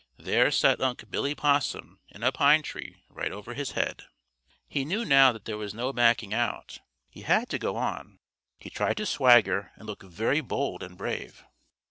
There sat Unc' Billy Possum in a pine tree right over his head. He knew now that there was no backing out; he had got to go on. He tried to swagger and look very bold and brave.